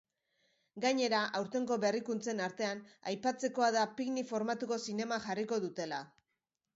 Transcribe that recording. Gainera, aurtengo berrikuntzen artean, aipatzekoa da picnic formatuko zinema jarriko dutela.